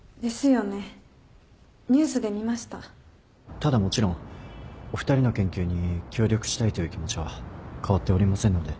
ただもちろんお二人の研究に協力したいという気持ちは変わっておりませんので。